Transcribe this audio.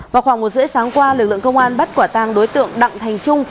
vào khoảng một h ba mươi sáng qua lực lượng công an bắt quả tàng đối tượng đặng thành trung